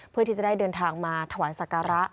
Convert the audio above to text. เพื่อที่จะได้เดินทางมาถวายสักการะ